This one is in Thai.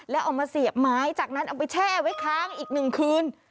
แล้วเอามาเสียบไม้จากนั้นเอาไปแช่ไว้ค้างอีก๑คืน